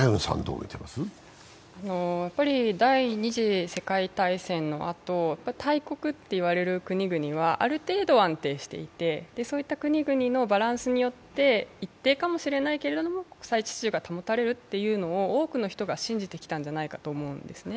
第二次世界大戦のあと大国っていわれる国々はある程度、安定していてそういった国々のバランスによって、一定かもしれないけれども、国際秩序が保たれるというのを多くの人が信じてきたんじゃないかと思うんですね。